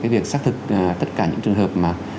việc xác thực tất cả những trường hợp